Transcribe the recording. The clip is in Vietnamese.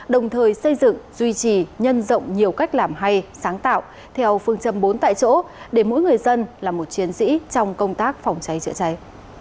đồng thời xây dựng duy trì nhân rộng nhiều cách làm hay sáng tạo theo phương châm bốn tại chỗ để mỗi người dân là một chiến sĩ trong công tác phòng cháy chữa cháy